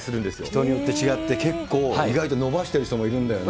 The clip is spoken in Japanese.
人によって違って、結構、意外と伸ばしている人もいるんだよね。